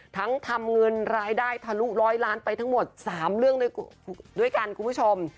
ทำเงินรายได้ทะลุร้อยล้านไปทั้งหมด๓เรื่องด้วยกันคุณผู้ชม